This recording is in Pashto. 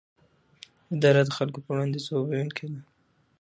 اداره د خلکو پر وړاندې ځواب ویونکې ده.